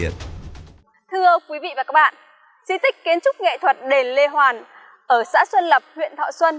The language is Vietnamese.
thưa quý vị và các bạn di tích kiến trúc nghệ thuật đền lê hoàn ở xã xuân lập huyện thọ xuân